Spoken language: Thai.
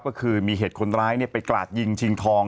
ก็คือมีเหตุคนร้ายไปกราดยิงชิงทอง